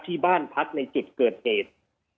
ที่บ้านพักในจุดเกิดเหตุ